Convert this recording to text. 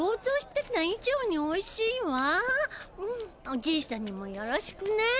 おじいさんにもよろしくねえ。